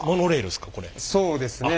そうですね。